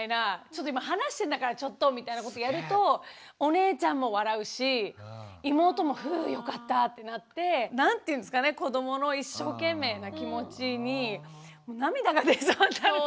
ちょっと今話してんだからちょっとみたいなことやるとお姉ちゃんも笑うし妹もふよかったってなって何て言うんですかね子どもの一生懸命な気持ちに涙が出そうになるというか。